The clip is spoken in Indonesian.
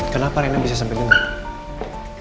kenapa rena bisa sampai dengan